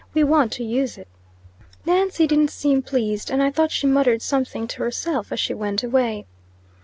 We want to use it." Nancy didn't seem pleased. And I thought she muttered something to herself as she went away.